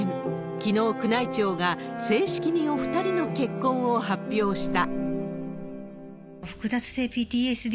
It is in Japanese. きのう、宮内庁が正式にお２人の結婚を発表した。